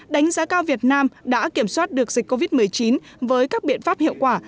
đánh giá cao việt nam đã kiểm soát được dịch covid một mươi chín với các biện pháp hiệu quả